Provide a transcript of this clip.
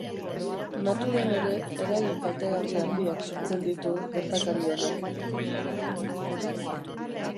Naturan ere eragin kaltegarri handiak sortzen ditu gertakari honek.